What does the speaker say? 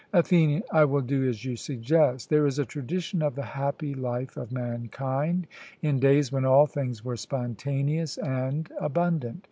ATHENIAN: I will do as you suggest. There is a tradition of the happy life of mankind in days when all things were spontaneous and abundant.